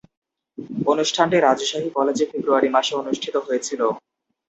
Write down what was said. অনুষ্ঠানটি রাজশাহী কলেজে ফেব্রুয়ারি মাসে অনুষ্ঠিত হয়েছিলো।